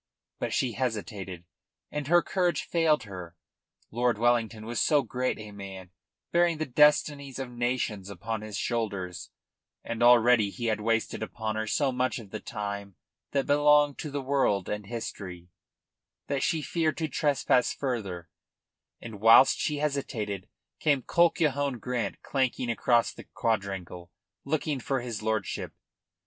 But she hesitated, and her courage failed her. Lord Wellington was so great a man, bearing the destinies of nations on his shoulders, and already he had wasted upon her so much of the time that belonged to the world and history, that she feared to trespass further; and whilst she hesitated came Colquhoun Grant clanking across the quadrangle looking for his lordship.